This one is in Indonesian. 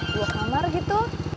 dua kamar gitu